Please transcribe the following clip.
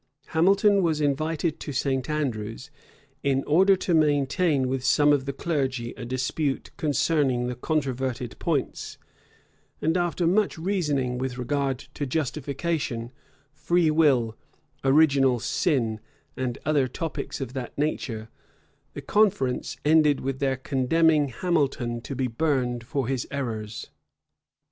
Hamilton was invited to St. Andrews, in order to maintain with some of the clergy a dispute concerning the controverted points; and after much reasoning with regard to justification, free will, original sin, and other topics of that nature, the conference ended with their condemning Hamilton to be burned for his errors.